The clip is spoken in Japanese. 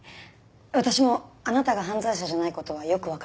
私もあなたが犯罪者じゃない事はよくわかりました。